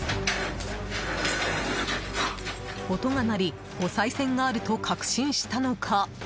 音が鳴り、おさい銭があると確信したのか。